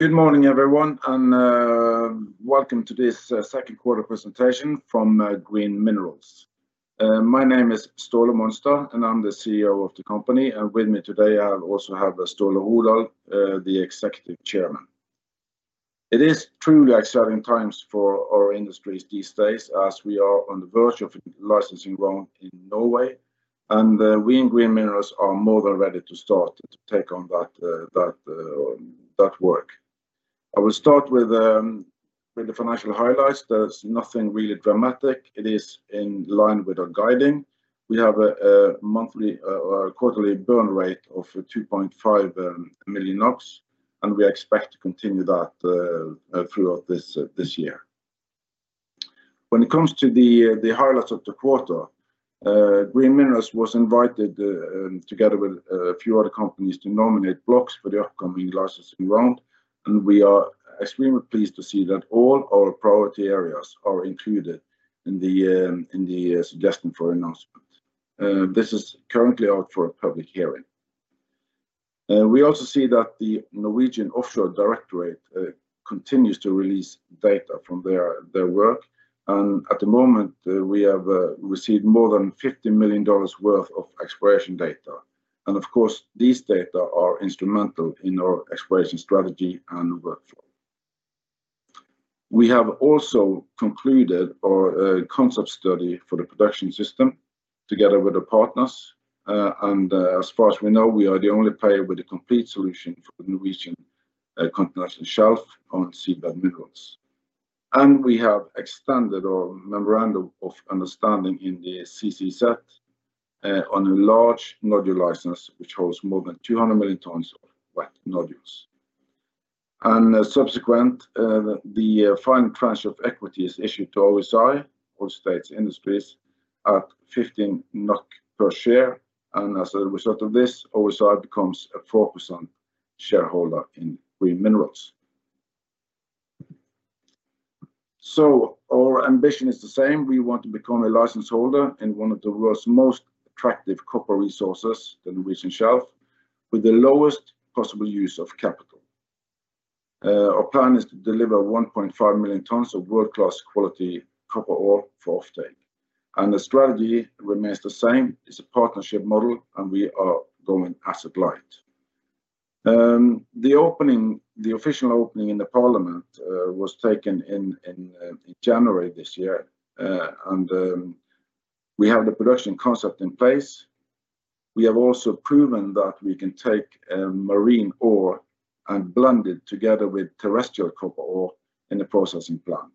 Good morning, everyone, and welcome to this second quarter presentation from Green Minerals. My name is Ståle Monstad, and I'm the CEO of the company, and with me today, I also have Ståle Rodahl, the Executive Chairman. It is truly exciting times for our industries these days, as we are on the verge of a licensing round in Norway, and we in Green Minerals are more than ready to start to take on that work. I will start with the financial highlights. There's nothing really dramatic. It is in line with our guidance. We have a monthly or quarterly burn rate of 2.5 million NOK, and we expect to continue that throughout this year. When it comes to the highlights of the quarter, Green Minerals was invited, together with a few other companies, to nominate blocks for the upcoming licensing round, and we are extremely pleased to see that all our priority areas are included in the suggestion for announcement. This is currently out for a public hearing. We also see that the Norwegian Offshore Directorate continues to release data from their work, and at the moment, we have received more than $50 million worth of exploration data. And of course, these data are instrumental in our exploration strategy and workflow. We have also concluded our concept study for the production system together with the partners, and as far as we know, we are the only player with a complete solution for the Norwegian Continental Shelf on seabed minerals. We have expanded our memorandum of understanding in the CCZ on a large nodule license, which holds more than 200 million tons of wet nodules. Subsequently, the final tranche of equity is issued to OSI, Oil States Industries, at 15 NOK per share, and as a result of this, OSI becomes a 4% shareholder in Green Minerals. Our ambition is the same. We want to become a license holder in one of the world's most attractive copper resources, the Norwegian Shelf, with the lowest possible use of capital. Our plan is to deliver 1.5 million tons of world-class quality copper ore for off-take, and the strategy remains the same. It's a partnership model, and we are going asset-light. The opening, the official opening in the Parliament, was taken in January this year. We have the production concept in place. We have also proven that we can take marine ore and blend it together with terrestrial copper ore in the processing plant,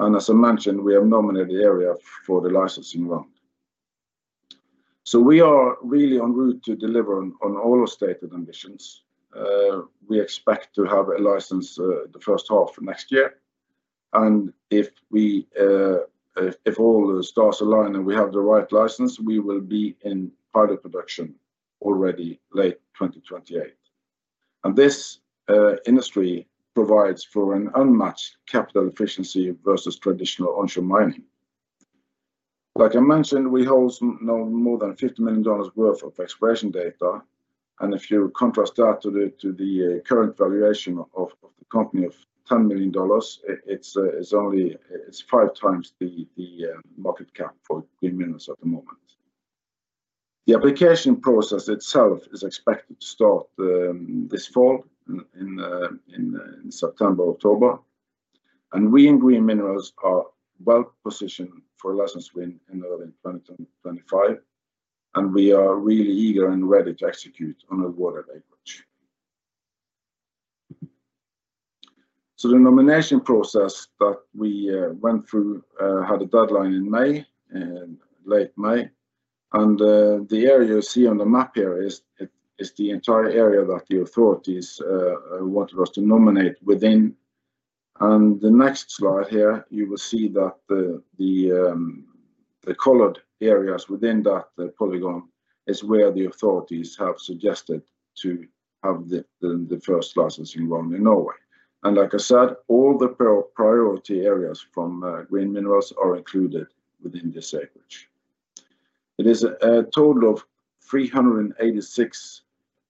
and as I mentioned, we have nominated the area for the licensing round. So we are really en route to deliver on all stated ambitions. We expect to have a license, the first half of next year, and if all the stars align and we have the right license, we will be in pilot production already late 2028. And this industry provides for an unmatched capital efficiency versus traditional onshore mining. Like I mentioned, we hold now more than $50 million worth of exploration data, and if you contrast that to the current valuation of the company of $10 million, it's only... It's 5 times the market cap for Green Minerals at the moment. The application process itself is expected to start this fall, in September, October, and we in Green Minerals are well positioned for a license win in early 2025, and we are really eager and ready to execute on awarded acreage. So the nomination process that we went through had a deadline in May, late May, and the area you see on the map here is, it is the entire area that the authorities wanted us to nominate within. The next slide here, you will see that the colored areas within that polygon is where the authorities have suggested to have the first licensing round in Norway. Like I said, all the priority areas from Green Minerals are included within this acreage. It is a total of 386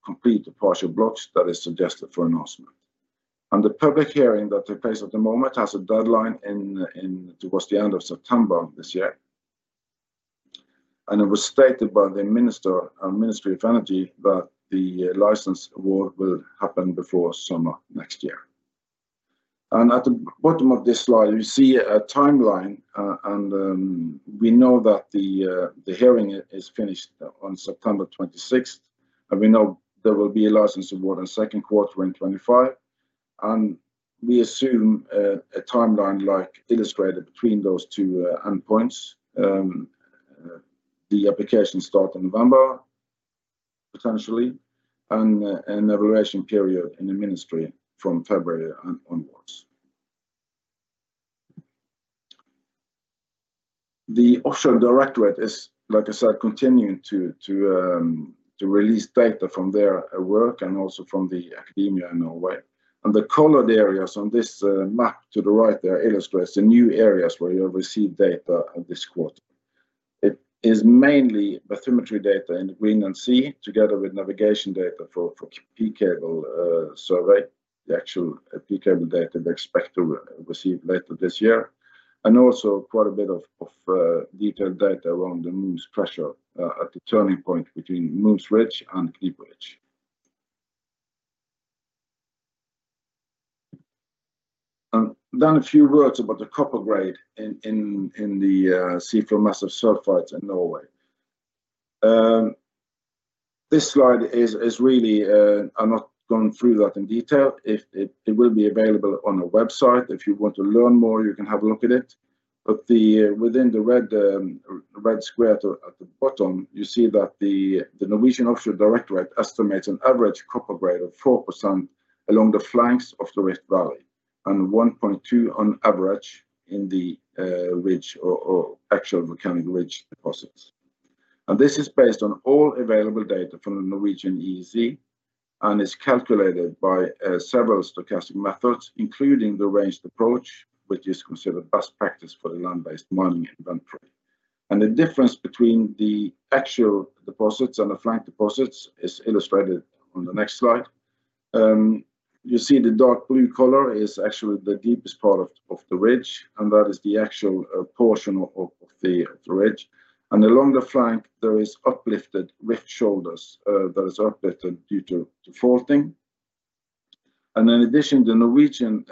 complete partial blocks that is suggested for announcement, and the public hearing that takes place at the moment has a deadline in towards the end of September this year. And at the bottom of this slide, we see a timeline, and we know that the hearing is finished on September 26th, and we know there will be a license award in second quarter in 2025, and we assume a timeline like illustrated between those two endpoints. The application start in November, potentially, and an evaluation period in the ministry from February onwards. The Norwegian Offshore Directorate is, like I said, continuing to release data from their work and also from the academia in Norway. The colored areas on this map to the right there illustrates the new areas where you have received data this quarter. It is mainly bathymetry data in the Greenland Sea, together with navigation data for P-Cable survey. The actual P-Cable data we expect to receive later this year, and also quite a bit of detailed data around the Mohns Treasure at the turning point between Mohns Ridge and Knipovich Ridge. Then a few words about the copper grade in the seafloor massive sulfides in Norway. This slide is really, I'm not going through that in detail. It will be available on the website. If you want to learn more, you can have a look at it, but within the red square at the bottom, you see that the Norwegian Offshore Directorate estimates an average copper grade of 4% along the flanks of the West Valley, and 1.2% on average in the ridge or actual volcanic ridge deposits. And this is based on all available data from the Norwegian EEZ, and is calculated by several stochastic methods, including the ranged approach, which is considered best practice for the land-based mining inventory. And the difference between the actual deposits and the flank deposits is illustrated on the next slide. You see the dark blue color is actually the deepest part of the ridge, and that is the actual portion of the ridge. Along the flank, there is uplifted ridge shoulders, that is uplifted due to the faulting. In addition, the Norwegian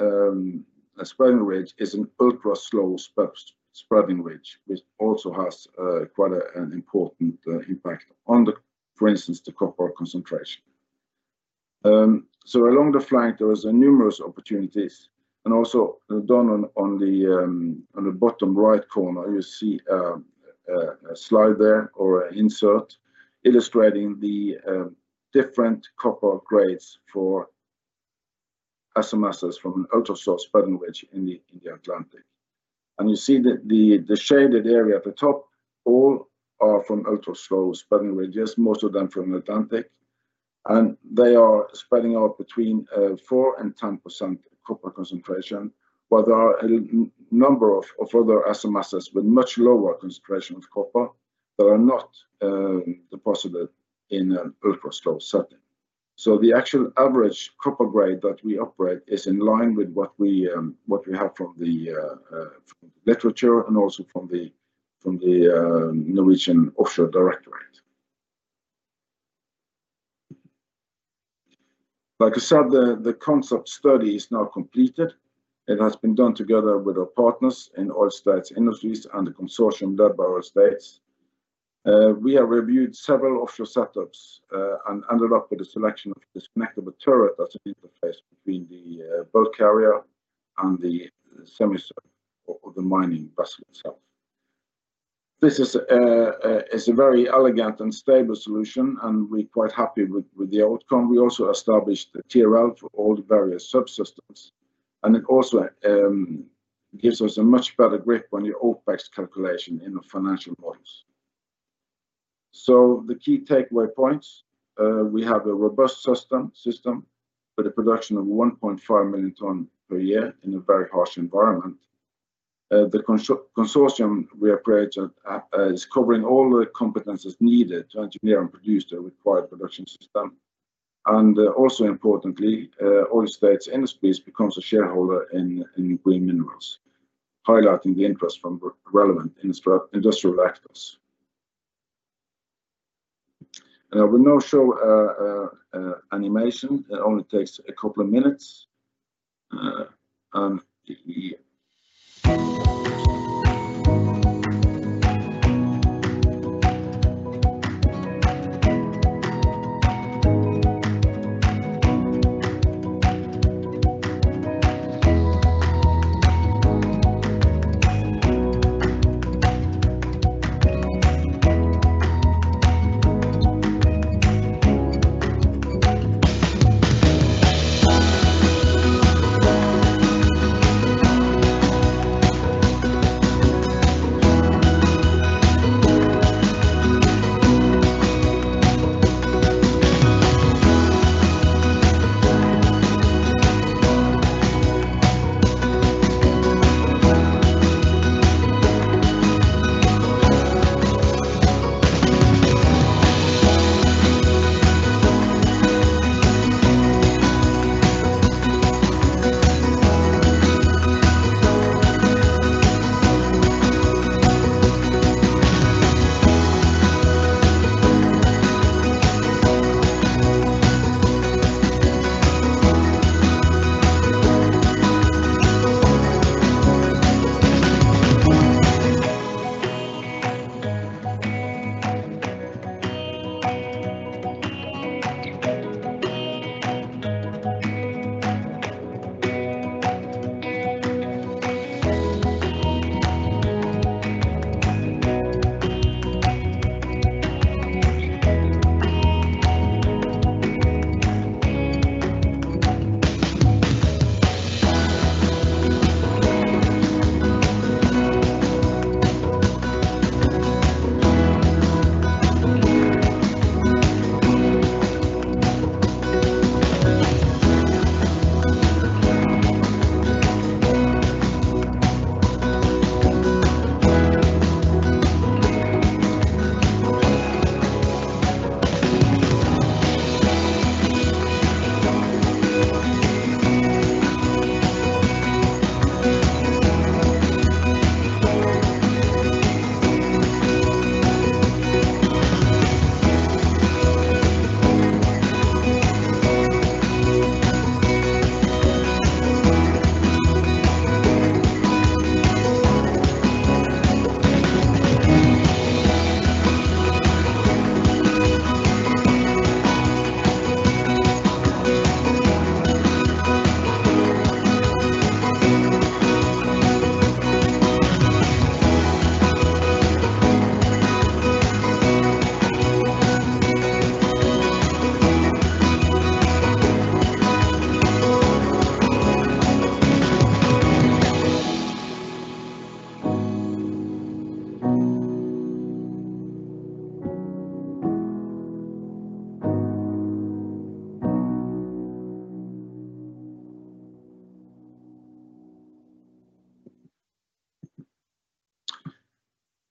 spreading ridge is an ultra-slow spreading ridge, which also has quite an important impact on the, for instance, the copper concentration. So along the flank, there is numerous opportunities, and also done on, on the, on the bottom right corner, you see a slide there or a insert illustrating the different copper grades for SMSs from an ultra-slow spreading ridge in the Atlantic. You see the shaded area at the top, all are from ultra-slow spreading ridges, most of them from the Atlantic, and they are spreading out between 4%-10% copper concentration, while there are a number of other SMSs with much lower concentration of copper that are not deposited in an ultra-slow setting. So the actual average copper grade that we operate is in line with what we have from the literature and also from the Norwegian Offshore Directorate. Like I said, the concept study is now completed. It has been done together with our partners in Oil States Industries and the consortium led by Oil States. We have reviewed several offshore setups and ended up with the selection of this connectable turret as the interface between the bulk carrier and the semi-sub or the mining vessel itself. This is a very elegant and stable solution, and we're quite happy with the outcome. We also established the TRL for all the various subsystems, and it also gives us a much better grip on the OpEx calculation in the financial models. So the key takeaway points, we have a robust system for the production of 1.5 million ton per year in a very harsh environment. The consortium we operate at is covering all the competencies needed to engineer and produce the required production system. Also importantly, Oil States Industries becomes a shareholder in Green Minerals, highlighting the interest from the relevant industrial actors. I will now show an animation that only takes a couple of minutes.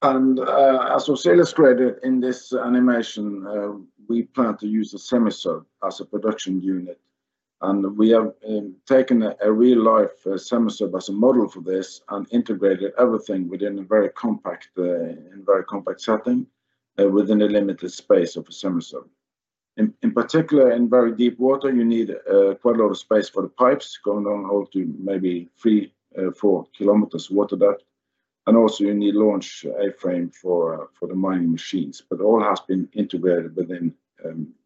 As was illustrated in this animation, we plan to use a semi-sub as a production unit, and we have taken a real-life semi-sub as a model for this and integrated everything within a very compact setting, within a limited space of a semi-sub. In particular, in very deep water, you need quite a lot of space for the pipes going down to maybe 3-4 kilometers of water depth, and also you need launch A-frame for the mining machines. But all has been integrated within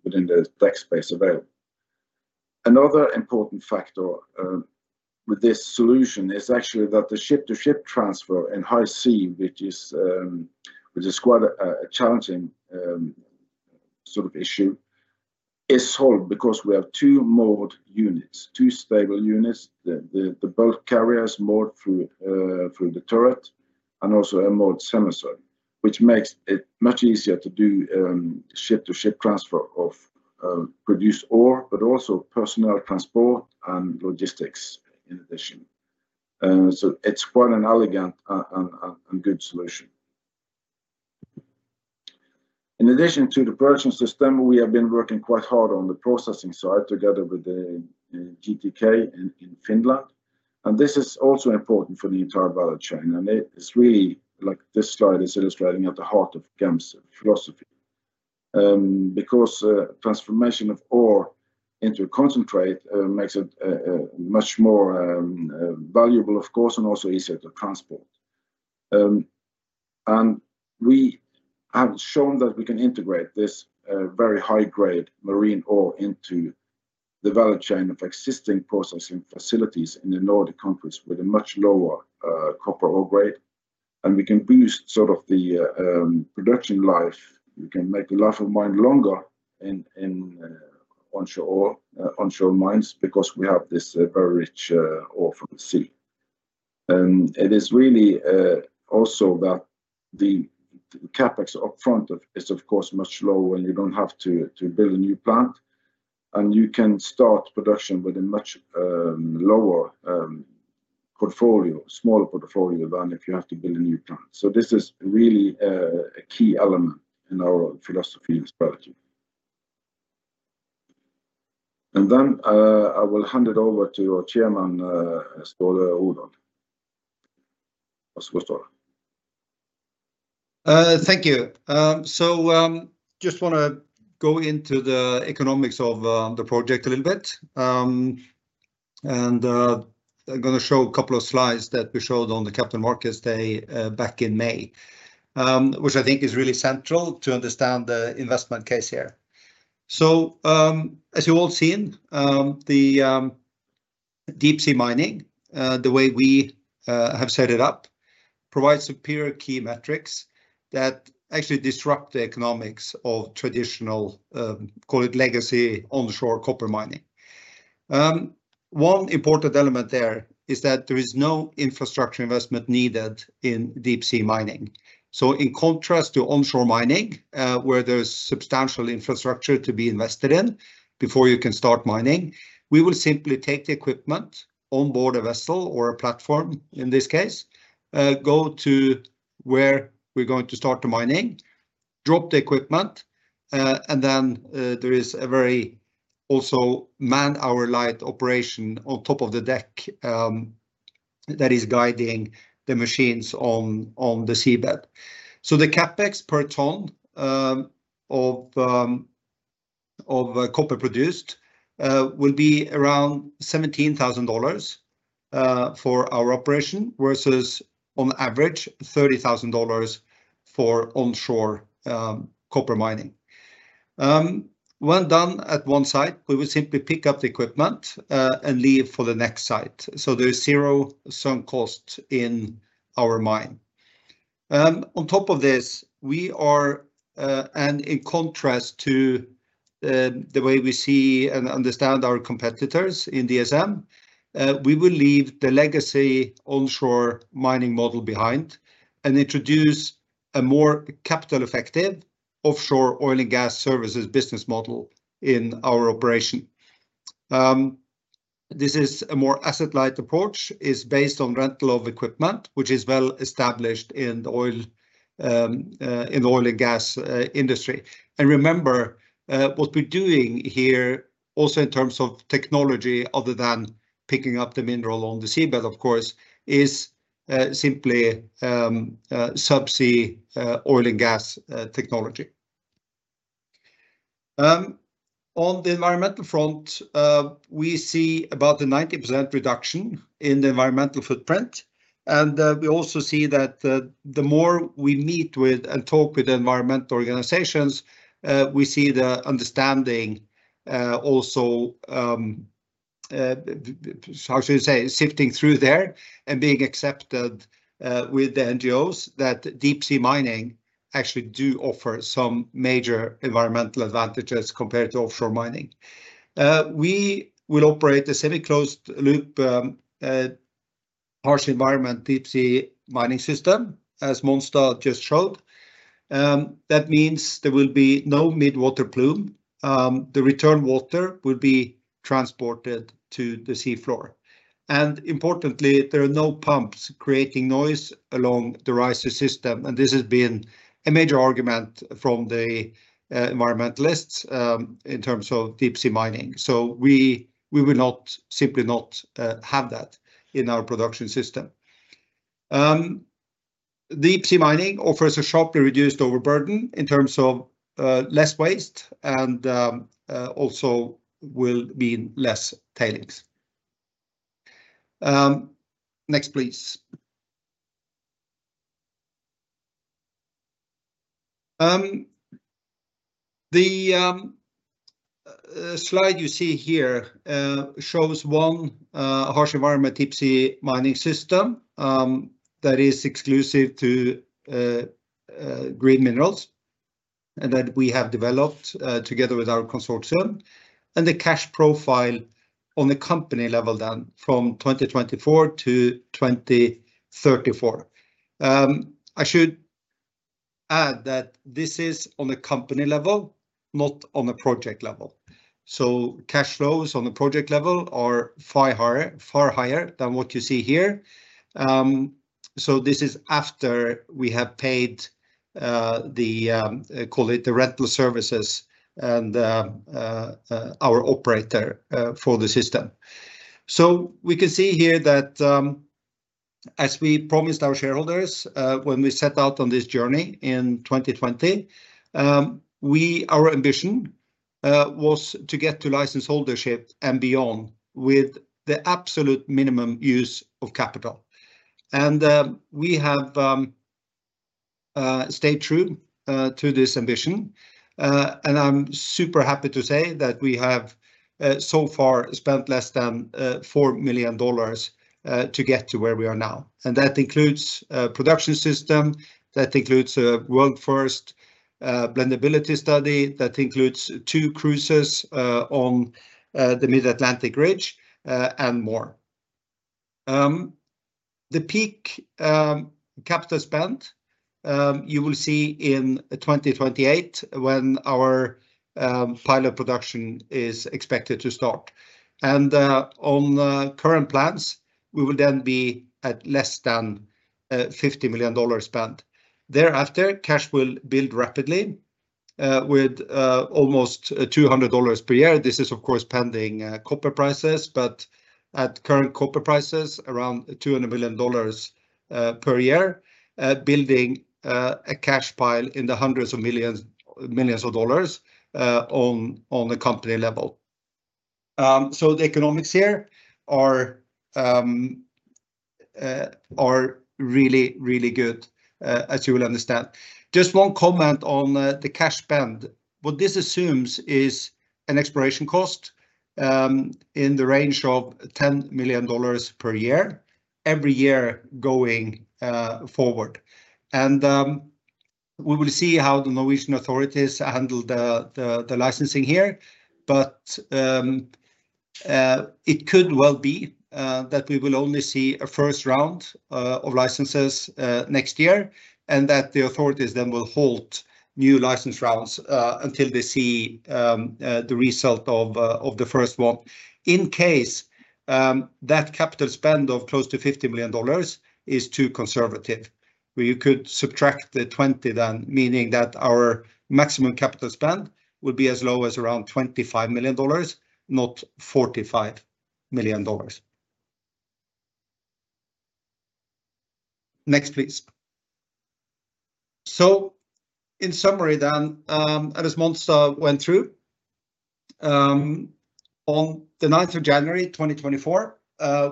the deck space available. Another important factor with this solution is actually that the ship-to-ship transfer in high sea, which is quite a challenging sort of issue, is solved because we have two moored units, two stable units. The bulk carriers moored through the turret, and also a moored semi-sub, which makes it much easier to do ship-to-ship transfer of produced ore, but also personnel transport and logistics in addition. So it's quite an elegant and good solution. In addition to the production system, we have been working quite hard on the processing side together with the GTK in Finland, and this is also important for the entire value chain. It is really, like this slide is illustrating, at the heart of GAM's philosophy. Because transformation of ore into a concentrate makes it much more valuable, of course, and also easier to transport. And we have shown that we can integrate this very high-grade marine ore into the value chain of existing processing facilities in the Nordic countries with a much lower copper ore grade. And we can boost sort of the production life. We can make the life of mine longer in onshore mines, because we have this very rich ore from the sea. It is really also that the CapEx up front of is, of course, much lower when you don't have to build a new plant, and you can start production with a much lower portfolio, smaller portfolio, than if you have to build a new plant. So this is really a key element in our philosophy and strategy. Then, I will hand it over to our Chairman, Ståle Rodahl. So, Ståle. Thank you. Just wanna go into the economics of the project a little bit. I'm gonna show a couple of slides that we showed on the Capital Markets Day, back in May, which I think is really central to understand the investment case here. So, as you've all seen, the deep-sea mining, the way we have set it up, provides superior key metrics that actually disrupt the economics of traditional, call it legacy onshore copper mining. One important element there is that there is no infrastructure investment needed in deep-sea mining. So in contrast to onshore mining, where there's substantial infrastructure to be invested in before you can start mining, we will simply take the equipment on board a vessel or a platform, in this case, go to where we're going to start the mining, drop the equipment, and then, there is a very also man-hour light operation on top of the deck, that is guiding the machines on the seabed. So the CapEx per ton of copper produced will be around $17,000 for our operation, versus on average $30,000 for onshore copper mining. When done at one site, we will simply pick up the equipment, and leave for the next site. So there is zero sunk cost in our mine. On top of this, we are, and in contrast to the way we see and understand our competitors in DSM, we will leave the legacy onshore mining model behind and introduce a more capital-effective offshore oil and gas services business model in our operation. This is a more asset-light approach, is based on rental of equipment, which is well-established in the oil, in the oil and gas, industry. And remember, what we're doing here, also in terms of technology, other than picking up the mineral on the seabed, of course, is simply subsea oil and gas technology. On the environmental front, we see about a 90% reduction in the environmental footprint, and we also see that the more we meet with and talk with the environmental organizations, we see the understanding also sifting through there and being accepted with the NGOs, that deep-sea mining actually do offer some major environmental advantages compared to offshore mining. We will operate a semi-closed loop harsh environment deep-sea mining system, as Monstad just showed. That means there will be no mid-water plume. The return water will be transported to the sea floor. And importantly, there are no pumps creating noise along the riser system, and this has been a major argument from the environmentalists in terms of deep-sea mining. So we will not, simply not, have that in our production system. Deep-sea mining offers a sharply reduced overburden in terms of, less waste and, also will mean less tailings. Next, please. The slide you see here shows one harsh environment deep-sea mining system that is exclusive to Green Minerals, and that we have developed together with our consortium, and the cash profile on the company level down from 2024 to 2034. I should add that this is on a company level, not on a project level. So cash flows on the project level are far higher, far higher than what you see here. So this is after we have paid the call it the rental services and our operator for the system. So we can see here that, as we promised our shareholders, when we set out on this journey in 2020, our ambition was to get to license holdership and beyond with the absolute minimum use of capital. We have stayed true to this ambition. I'm super happy to say that we have so far spent less than $4 million to get to where we are now. That includes a production system, that includes a world-first blendability study, that includes two cruises on the Mid-Atlantic Ridge, and more. The peak capital spend you will see in 2028, when our pilot production is expected to start. On the current plans, we will then be at less than $50 million spent. Thereafter, cash will build rapidly with almost $200 per year. This is, of course, pending copper prices, but at current copper prices, around $200 million per year, building a cash pile in the hundreds of millions, millions of dollars on the company level. So the economics here are really, really good, as you will understand. Just one comment on the cash spend. What this assumes is an exploration cost in the range of $10 million per year, every year going forward. We will see how the Norwegian authorities handle the licensing here, but it could well be that we will only see a first round of licenses next year, and that the authorities then will halt new license rounds until they see the result of the first one. In case that capital spend of close to $50 million is too conservative, we could subtract the 20 then, meaning that our maximum capital spend would be as low as around $25 million, not $45 million. Next, please. In summary then, as Monstad went through, on the ninth of January, 2024,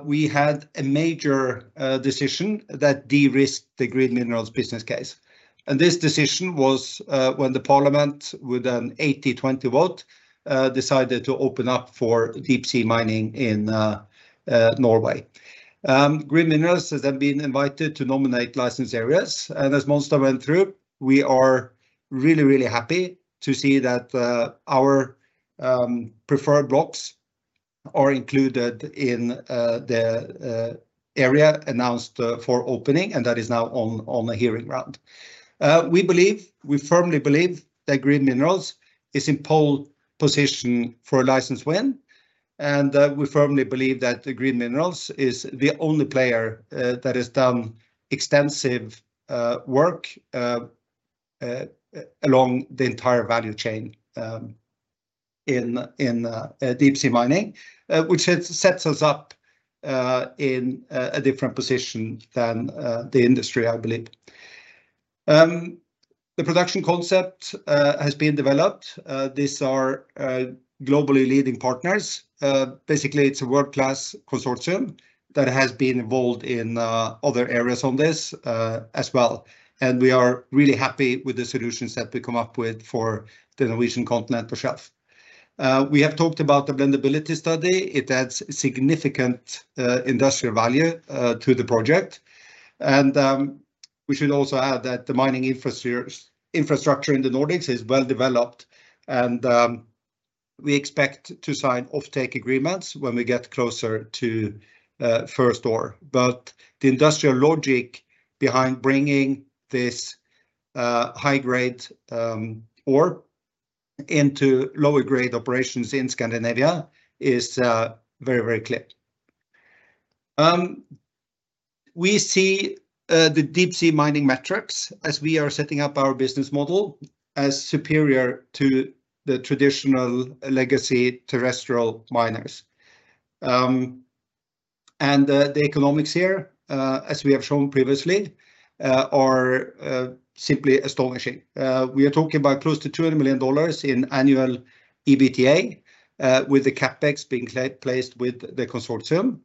we had a major decision that de-risked the Green Minerals business case. This decision was, when the Parliament, with an 80-20 vote, decided to open up for deep-sea mining in, Norway. Green Minerals has then been invited to nominate license areas, and as Monstad went through, we are really, really happy to see that, our, preferred blocks are included in, the, area announced, for opening, and that is now on, on the hearing round. We believe, we firmly believe that Green Minerals is in pole position for a license win, and, we firmly believe that the Green Minerals is the only player, that has done extensive, work, along the entire value chain, in, in, deep sea mining. Which sets us up, in a, a different position than, the industry, I believe. The production concept, has been developed. These are globally leading partners. Basically, it's a world-class consortium that has been involved in other areas on this as well, and we are really happy with the solutions that we come up with for the Norwegian Continental Shelf. We have talked about the blendability study. It adds significant industrial value to the project. And we should also add that the mining infrastructure in the Nordics is well-developed, and we expect to sign off-take agreements when we get closer to first ore. But the industrial logic behind bringing this high-grade ore into lower-grade operations in Scandinavia is very, very clear. We see the deep-sea mining metrics as we are setting up our business model as superior to the traditional legacy terrestrial miners. The economics here, as we have shown previously, are simply astonishing. We are talking about close to $200 million in annual EBITDA, with the CapEx being placed with the consortium.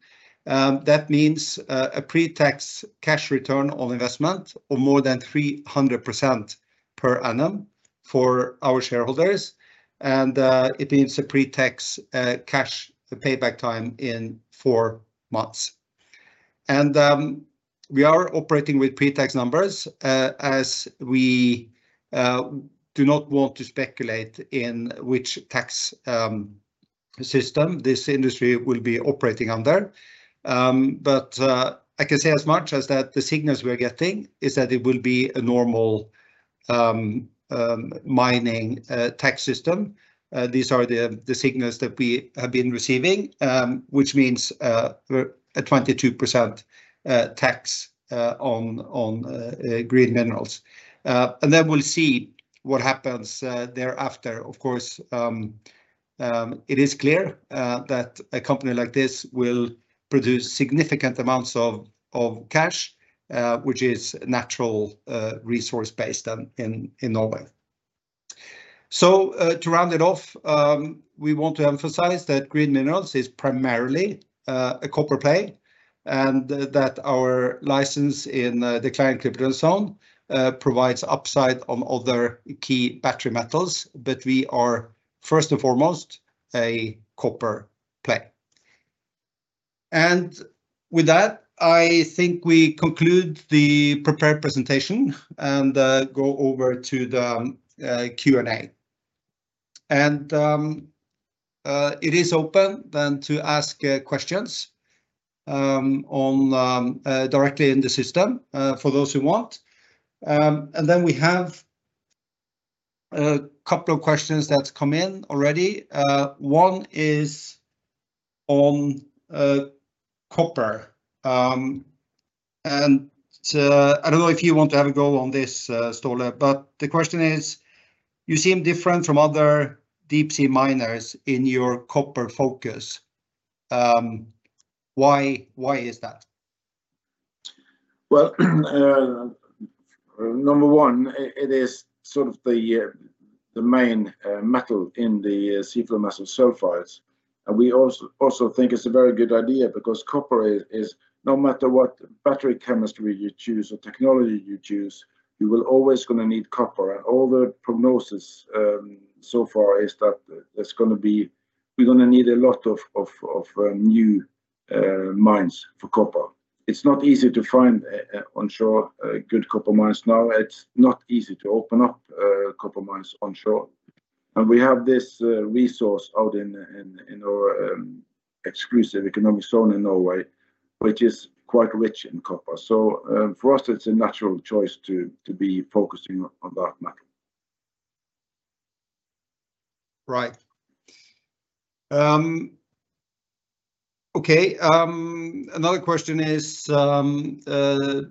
That means a pre-tax cash return on investment of more than 300% per annum for our shareholders, and it means a pre-tax cash payback time in four months. We are operating with pre-tax numbers, as we do not want to speculate in which tax system this industry will be operating under. But I can say as much as that the signals we are getting is that it will be a normal mining tax system. These are the signals that we have been receiving, which means a 22% tax on Green Minerals. And then we'll see what happens thereafter. Of course, it is clear that a company like this will produce significant amounts of cash, which is natural resource-based in Norway. So, to round it off, we want to emphasize that Green Minerals is primarily a copper play, and that our license in the Clarion-Clipperton Zone provides upside on other key battery metals, but we are first and foremost a copper play. And with that, I think we conclude the prepared presentation, and go over to the Q&A. It is open then to ask questions directly in the system for those who want. And then we have a couple of questions that's come in already. One is on copper. And I don't know if you want to have a go on this, Ståle, but the question is: "You seem different from other deep-sea miners in your copper focus. Why, why is that? Well, number one, it is sort of the main metal in the seafloor massive sulfides. And we also think it's a very good idea, because copper is no matter what battery chemistry you choose or technology you choose, you will always gonna need copper. All the prognosis so far is that there's gonna be we're gonna need a lot of new mines for copper. It's not easy to find onshore good copper mines now. It's not easy to open up copper mines onshore. And we have this resource out in our exclusive economic zone in Norway, which is quite rich in copper. So, for us, it's a natural choice to be focusing on that metal. Right. Okay, another question is, the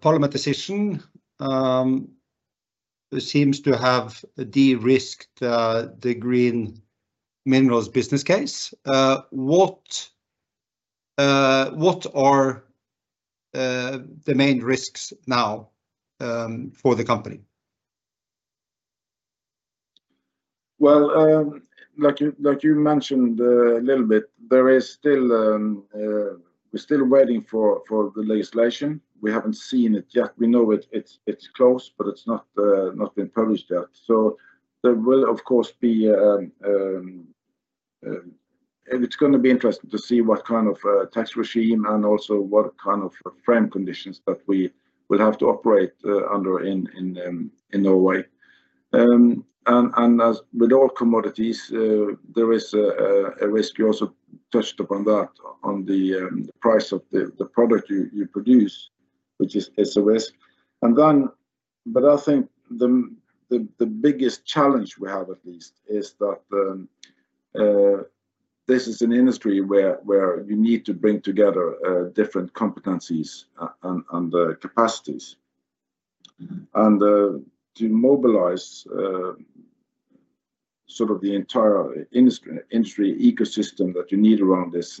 Parliament decision seems to have de-risked the Green Minerals business case. What are the main risks now for the company? Well, like you mentioned, a little bit, there is still... we're still waiting for the legislation. We haven't seen it yet. We know it's close, but it's not been published yet. So there will, of course, be... It's gonna be interesting to see what kind of tax regime and also what kind of frame conditions that we will have to operate under in Norway. And as with all commodities, there is a risk you also touched upon that, on the price of the product you produce, which is SMS. But I think the biggest challenge we have at least is that this is an industry where you need to bring together different competencies and to mobilize sort of the entire industry ecosystem that you need around this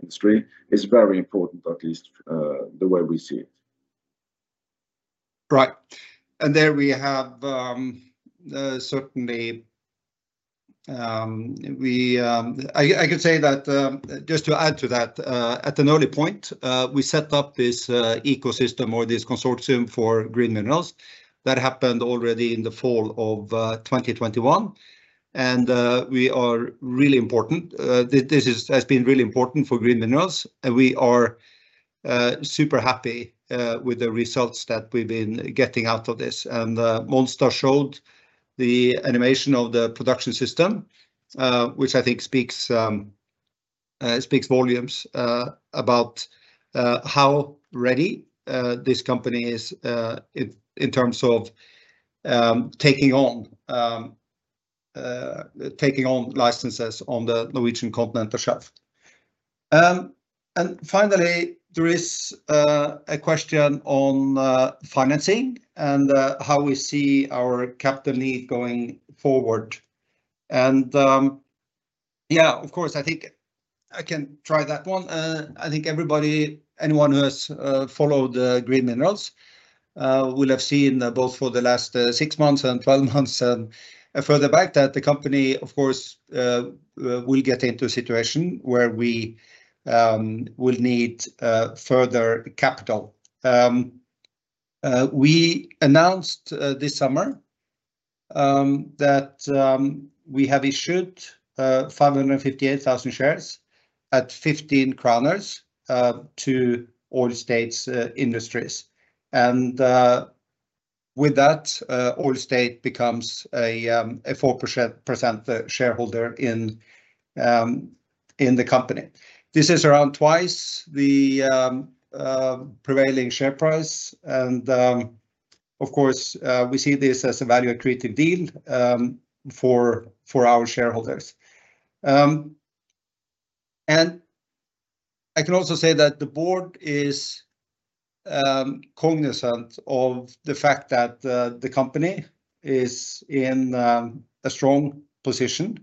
industry is very important, at least the way we see it. Right. And there we have, certainly, I can say that, just to add to that, at an early point, we set up this, ecosystem or this consortium for Green Minerals, that happened already in the fall of 2021. And, we are really important, this, this is-has been really important for Green Minerals, and we are, super happy, with the results that we've been getting out of this. And, Monstad showed the animation of the production system, which I think speaks, speaks volumes, about, how ready, this company is, in, in terms of, taking on, taking on licenses on the Norwegian Continental Shelf. And finally, there is, a question on, financing and, how we see our capital need going forward. Yeah, of course, I think I can try that one. I think everybody, anyone who has followed the Green Minerals will have seen both for the last six months and twelve months, further back, that the company, of course, will get into a situation where we will need further capital. We announced this summer that we have issued 558,000 shares at 15 kroner to Oil States Industries. And, with that, Oil States becomes a 4% shareholder in the company. This is around twice the prevailing share price, and, of course, we see this as a value-accretive deal for our shareholders. And I can also say that the board is cognizant of the fact that the company is in a strong position.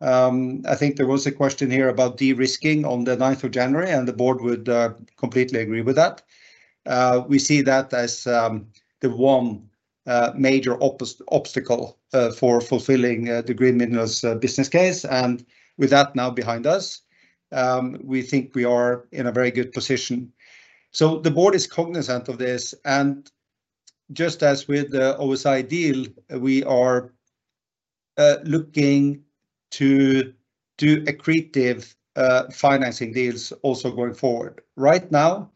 I think there was a question here about de-risking on the ninth of January, and the board would completely agree with that. We see that as the one major obstacle for fulfilling the Green Minerals business case, and with that now behind us, we think we are in a very good position. So the board is cognizant of this, and just as with the OSI deal, we are looking to do accretive financing deals also going forward. Right now,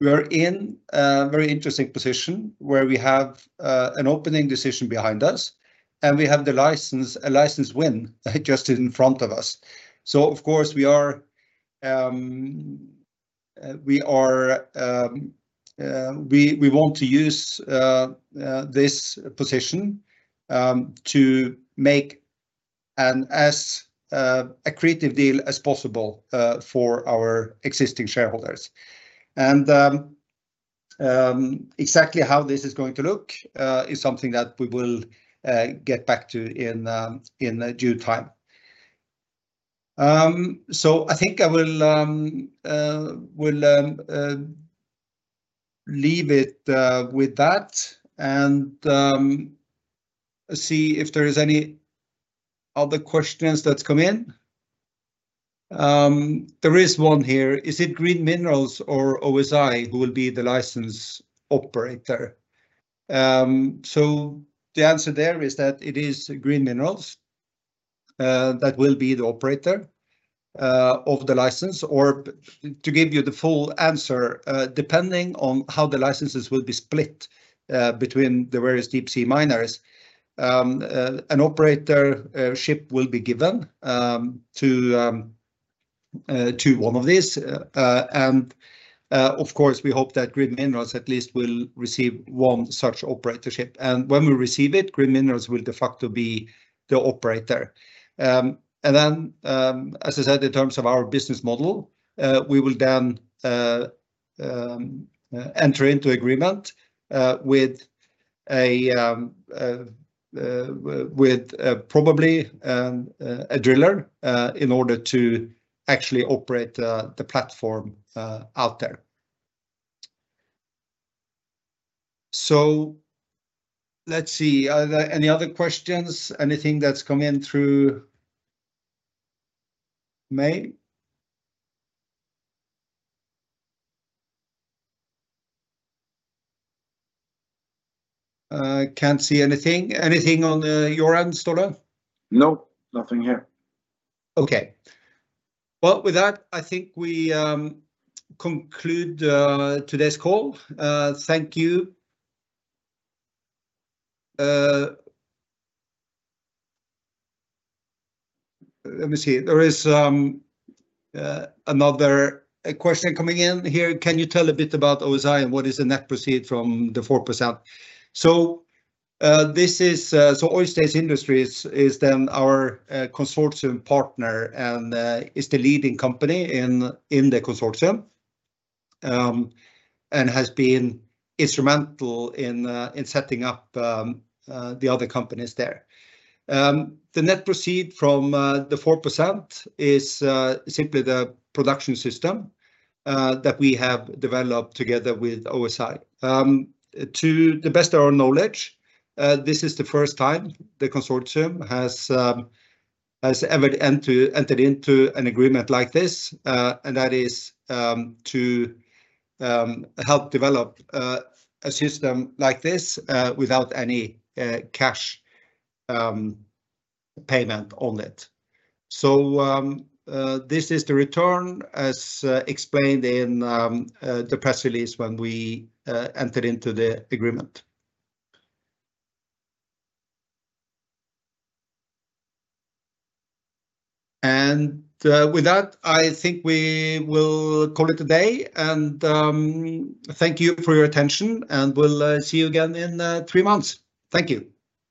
we are in a very interesting position where we have an opening decision behind us, and we have the license, a license win, just in front of us. Of course, we want to use this position to make an accretive deal as possible for our existing shareholders. Exactly how this is going to look is something that we will get back to in due time. So I think I will leave it with that, and see if there is any other questions that come in. There is one here: "Is it Green Minerals or OSI who will be the license operator?" So the answer there is that it is Green Minerals that will be the operator of the license. Or to give you the full answer, depending on how the licenses will be split, between the various deep sea miners, an operatorship will be given, to one of these. And, of course, we hope that Green Minerals at least will receive one such operatorship. And when we receive it, Green Minerals will de facto be the operator. And then, as I said, in terms of our business model, we will then enter into agreement, with probably a driller, in order to actually operate the platform out there. So let's see. Are there any other questions? Anything that's come in through me? Can't see anything. Anything on your end, Ståle? No, nothing here. Okay. Well, with that, I think we conclude today's call. Thank you. Let me see. There is another question coming in here: "Can you tell a bit about OSI, and what is the net proceeds from the 4%?" So, this is, so Oil States Industries is then our consortium partner, and is the leading company in the consortium, and has been instrumental in setting up the other companies there. The net proceeds from the 4% is simply the production system that we have developed together with OSI. To the best of our knowledge, this is the first time the consortium has ever entered into an agreement like this, and that is to help develop a system like this without any cash payment on it. So, this is the return, as explained in the press release when we entered into the agreement. With that, I think we will call it a day. Thank you for your attention, and we'll see you again in three months. Thank you.